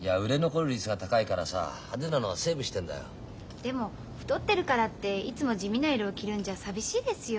でも太ってるからっていつも地味な色を着るんじゃ寂しいですよ。